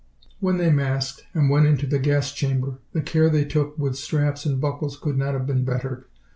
When they masked and went into the gas chamber the care they took with straps and buckles could not have been bettered.